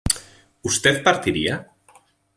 ¿usted partiría?